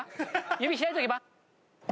指開いとけば？